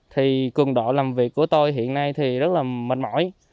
thì cường độ làm việc của tôi hiện nay thì rất là mệt mỏi